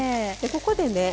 ここでね